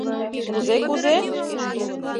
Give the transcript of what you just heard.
— Кузе, кузе?